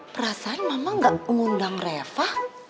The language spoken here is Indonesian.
perasaan mama gak mengundang reva